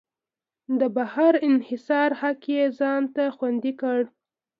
د بهر انحصار حق یې ځان ته خوندي کړ.